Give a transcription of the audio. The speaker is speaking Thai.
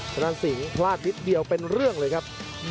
ทางด้านสิงห์พลาดนิดเดียวเป็นเรื่องเลยครับ